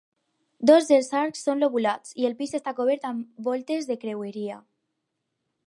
Dos dels arcs són lobulats, i el pis està cobert amb voltes de creueria.